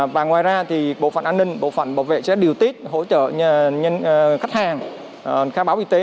và ngoài ra thì bộ phận an ninh bộ phận bảo vệ sẽ điều tiết hỗ trợ khách hàng khai báo y tế